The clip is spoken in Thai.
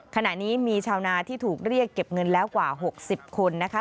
ขณะนี้มีชาวนาที่ถูกเรียกเก็บเงินแล้วกว่า๖๐คนนะคะ